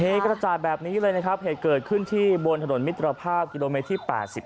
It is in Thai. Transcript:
กระจายแบบนี้เลยนะครับเหตุเกิดขึ้นที่บนถนนมิตรภาพกิโลเมตรที่๘๔